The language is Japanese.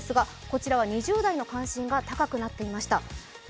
４位ですが、こちらは２０代の関心が高くなっていました。